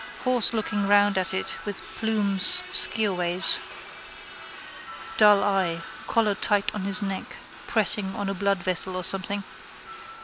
Horse looking round at it with his plume skeowways. Dull eye: collar tight on his neck, pressing on a bloodvessel or something.